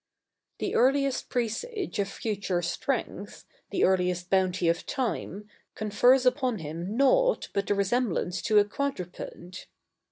The earliest presage of future strength, the earliest bounty of time, confers upon him naught but the resemblance to a quadruped.